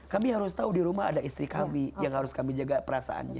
kami harus tahu di rumah ada istri kami yang harus kami jaga perasaannya